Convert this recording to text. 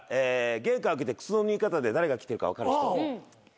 玄関開けて靴の脱ぎ方で誰が来てるか分かる人。